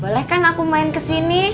boleh kan aku main kesini